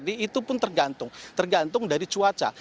tetapi verdi itu pun tergantung tergantung dari cuaca